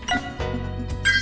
thế này thì